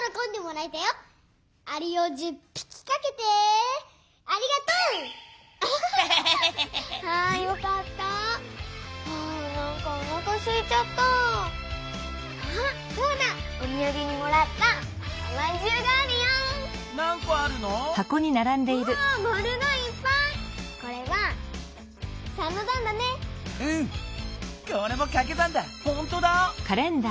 これもかけ算だ！